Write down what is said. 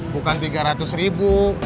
bukan rp tiga ratus